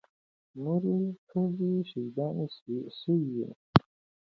نورې ښځې شهيدانې سوې وې.